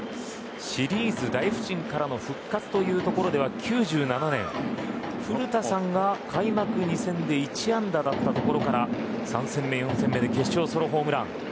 シリーズ大不振からの復活というところでは９７年、古田さんが開幕２戦で１安打だったところから３戦目、４戦目で決勝ソロホームラン。